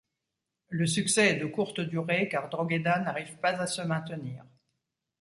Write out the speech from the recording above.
Le succès est de courte durée car Drogheda n’arrive pas à se maintenir.